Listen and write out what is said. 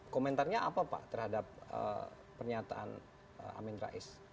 komentarnya apa pak terhadap pernyataan amin rais